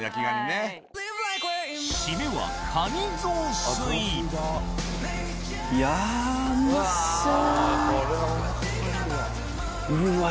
締めはいやうまそう。